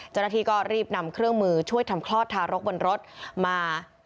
เจ้าหน้าที่ก็รีบนำเครื่องมือช่วยทำคลอดทารกบนรถมา